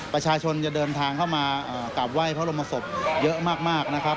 ประชาชนจะเดินทางเข้ามากลับไหว้เพราะลมศพเยอะมาก